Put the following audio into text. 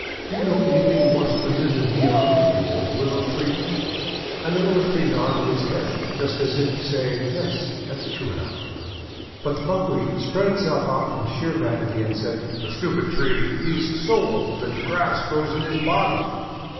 Do you know anything more splendid than we are, you old Willow Tree?" And the Willow Tree nodded his head, just as if to say, '! Yes, that's true enough!' But the Buckwheat spread itself out from sheer vanity, and said: "The stupid tree! He's so old that the grass grows in his body!'